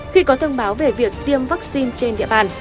khi có thông báo về việc tiêm vaccine trên địa bàn